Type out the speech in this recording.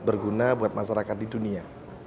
berguna buat masyarakat di dunia